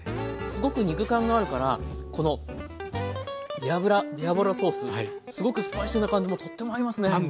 すごく肉感があるからこのディアブルソースすごくスパイシーな感じもとっても合いますね。